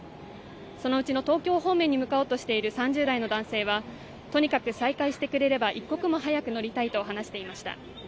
そのうちの東京方面に向かおうとしている３０代の男性はとにかく再開してくれれば一刻も早く乗りたいと話していました。